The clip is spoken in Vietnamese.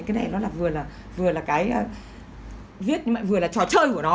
cái này nó vừa là cái viết nhưng mà vừa là trò chơi của nó